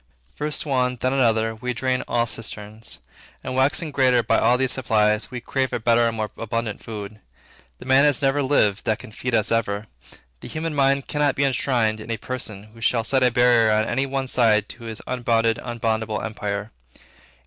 First, one; then, another; we drain all cisterns, and, waxing greater by all these supplies, we crave a better and more abundant food. The man has never lived that can feed us ever. The human mind cannot be enshrined in a person, who shall set a barrier on any one side to this unbounded, unboundable empire.